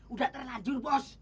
udah terlanjur bos